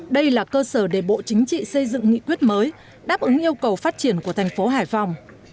đây là cơ sở để bộ chính trị xây dựng nghị quyết mới đáp ứng yêu cầu phát triển của thành phố hải phòng